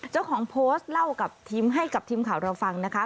เจ้าของโพสต์เล่ากับทีมให้กับทีมข่าวเราฟังนะคะ